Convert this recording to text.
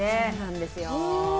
そうなんですよ